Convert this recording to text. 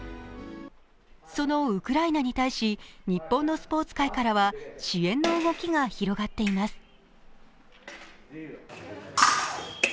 そのウクライナに対し、日本のスポーツ界からは支援の動きが広がっています。